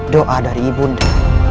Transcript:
doa dari ibu bunda